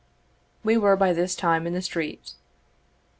We were by this time in the street.